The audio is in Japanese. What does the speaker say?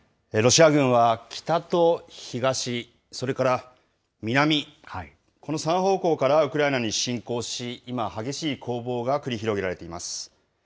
ロシア軍は北と東、それから南、この３方向からウクライナに侵攻し、今、激しい攻防が繰り広げられています。